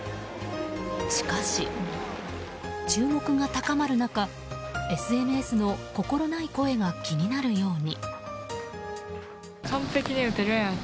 しかし、注目が高まる中ＳＮＳの心ない声が気になるように。